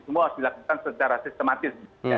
semua harus dilakukan secara sistematis